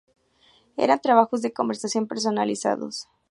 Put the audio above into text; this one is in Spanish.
Eran trabajos de conversión personalizados.